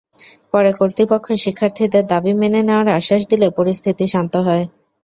পরে কর্তৃপক্ষ শিক্ষার্থীদের দাবি মেনে নেওয়ার আশ্বাস দিলে পরিস্থিতি শান্ত হয়।